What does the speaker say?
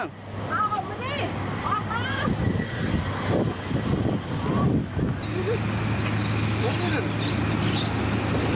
อ้าวออกมาสิ